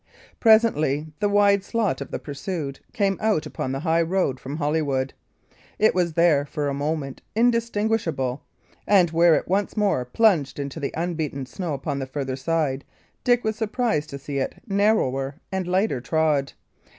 Presently, the wide slot of the pursued came out upon the high road from Holywood; it was there, for a moment, indistinguishable; and, where it once more plunged into the unbeaten snow upon the farther side, Dick was surprised to see it narrower and lighter trod.